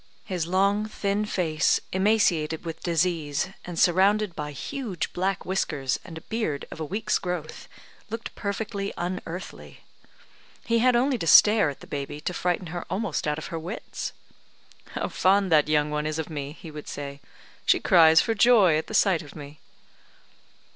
His long, thin face, emaciated with disease, and surrounded by huge black whiskers, and a beard of a week's growth, looked perfectly unearthly. He had only to stare at the baby to frighten her almost out of her wits. "How fond that young one is of me," he would say; "she cries for joy at the sight of me."